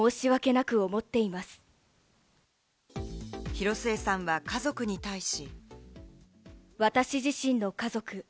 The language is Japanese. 広末さんは家族に対し。